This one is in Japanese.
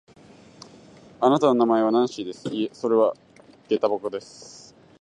あなたの名前はナンシーです。いいえ、それはげた箱です。